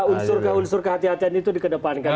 unsur ke unsur kehatian itu dikedepankan